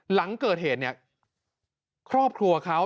หลังเกิดเหตุเนี่ยครอบครัวเขา